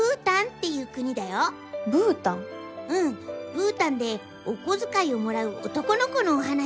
ブータンでおこづかいをもらう男の子のお話。